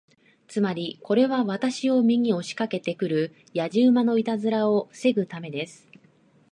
つまり、これは私を見に押しかけて来るやじ馬のいたずらを防ぐためです。